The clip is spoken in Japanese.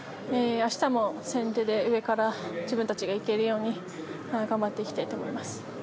明日も先手で上から自分たちがいけるように頑張っていきたいと思います。